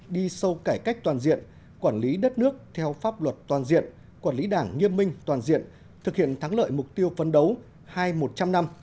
đi sâu cải cách toàn diện quản lý đất nước theo pháp luật toàn diện quản lý đảng nghiêm minh toàn diện thực hiện thắng lợi mục tiêu phấn đấu hai một trăm linh năm